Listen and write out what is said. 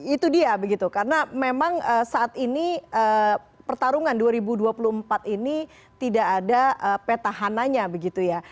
itu dia begitu karena memang saat ini pertarungan dua ribu dua puluh empat ini tidak ada petahananya begitu ya